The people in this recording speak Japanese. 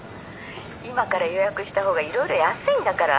今から予約した方がいろいろ安いんだから。